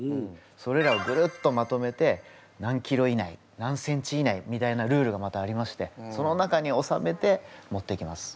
それらをグルッとまとめて何ｋｇ以内何ｃｍ以内みたいなルールがまたありましてその中におさめて持っていきます。